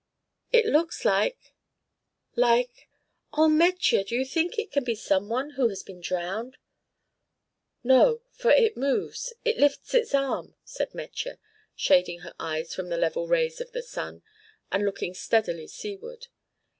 "It looks like like oh! Metje, do you think it can be some one who has been drowned?" "No, for it moves, it lifts its arm," said Metje, shading her eyes from the level rays of the sun, and looking steadily seaward.